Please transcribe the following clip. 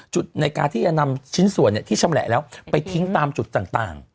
จุดในการที่จะนำชิ้นส่วนที่ชำแหละแล้วไปทิ้งตามจุดต่าง